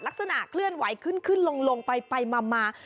ลักษณะเคลื่อนไหวขึ้นลงไปมา